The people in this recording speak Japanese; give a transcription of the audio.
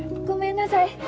ごめんなさい。